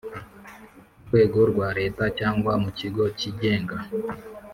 Rwego rwa leta cyangwa mu kigo cyigenga